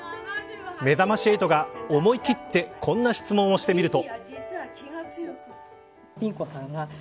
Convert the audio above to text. めざまし８が、思い切ってこんな質問をしてみると。